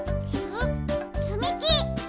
つみき！